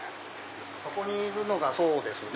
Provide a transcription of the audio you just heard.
そこにいるのがそうですね